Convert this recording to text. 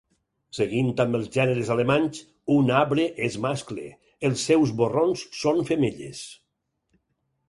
Seguint amb els gèneres alemanys: un arbre és mascle, els seus borrons són femelles.